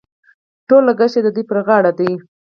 ټول لګښت یې د دوی پر غاړه دي.